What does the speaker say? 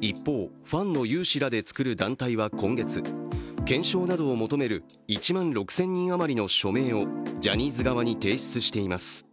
一方、ファンの有志らで作る団体は今月検証などを求める１万６０００人余りの署名をジャニーズ側に提出しています。